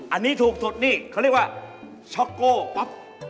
อันนี้ถูกสุดคือช็อโกป๊อป